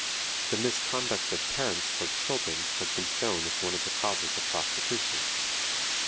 The misconduct of parents toward children has been shown as one of the causes of prostitution.